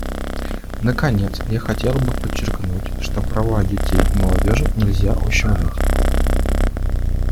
Наконец, я хотела бы подчеркнуть, что права детей и молодежи нельзя ущемлять.